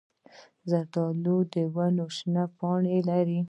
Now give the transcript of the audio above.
زردالو ونه شنه پاڼې لري.